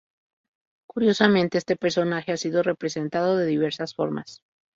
Curiosamente, este personaje ha sido representado de diversas formas.